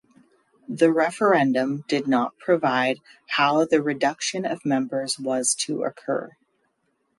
The referendum did not provide how the reduction of members was to occur.